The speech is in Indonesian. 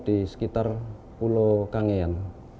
di sekitar pulau kangean